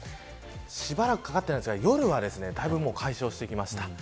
しばらくかかってないんですが夜はだいぶ解消してきました。